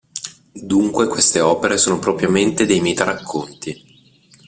Dunque queste opere sono propriamente dei meta-racconti.